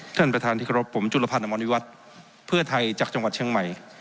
ท่านประธานที่เคารพผมจุลพันธ์อมรณิวัฒน์เพื่อไทยจากจังหวัดเชียงใหม่